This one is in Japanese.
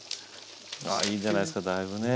あいいんじゃないですかだいぶねえ。